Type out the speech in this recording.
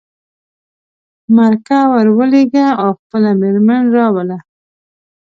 مرکه ور ولېږه او خپله مېرمن راوله.